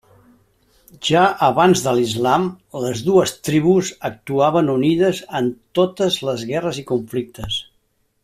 Ja abans de l'islam les dues tribus actuaven unides en totes les guerres i conflictes.